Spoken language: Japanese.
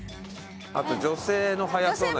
あと女性の速そうな人。